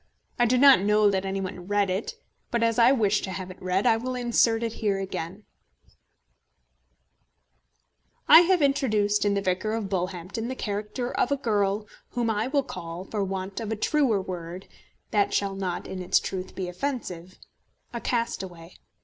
I do not know that any one read it; but as I wish to have it read, I will insert it here again: I have introduced in the Vicar of Bullhampton the character of a girl whom I will call, for want of a truer word that shall not in its truth be offensive, a castaway.